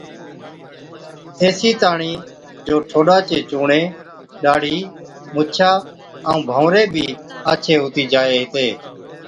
ايسِي تاڻِين جو ٺوڏا چي چُونڻي، ڏاڙهِي، مُڇا ائُون ڀنوَري بِي آڇي هُتِي جائي هِتي۔